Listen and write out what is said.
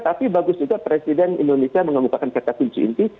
tapi bagus juga presiden indonesia mengumumkan kata kunci inti